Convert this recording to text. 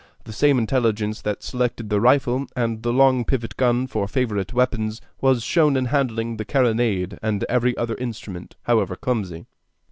The same intelligence that selected the rifle and the long pivot gun for favorite weapons was shown in handling the carronade, and every other instrument however clumsy.